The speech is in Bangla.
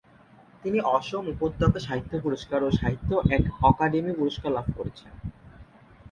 তিনি অসম উপত্যকা সাহিত্য পুরস্কার ও সাহিত্য অকাদেমি পুরস্কার লাভ করেছেন।